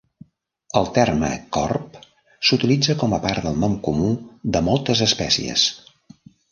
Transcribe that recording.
El terme "corb" s'utilitza com a part del nom comú de moltes espècies.